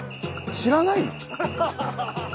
知らないの？